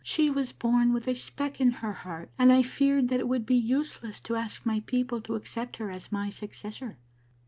She was born with a speck in her heart, and I feared that it would be useless to ask my people to accept her as my successor."